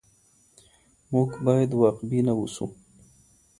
موږ بايد واقعبينه اوسو.